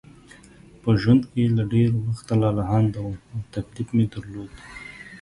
په ژوند کې له ډېر وخته لالهانده وم او تکلیف مې درلود.